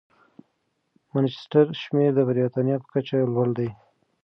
د مانچسټر شمېر د بریتانیا په کچه لوړ دی.